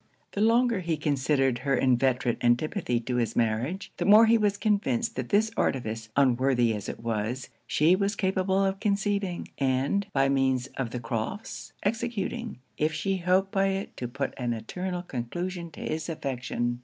The longer he considered her inveterate antipathy to his marriage, the more he was convinced that this artifice, unworthy as it was, she was capable of conceiving, and, by means of the Crofts, executing, if she hoped by it to put an eternal conclusion to his affection.